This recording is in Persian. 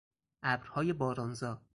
ابرهای بارانزا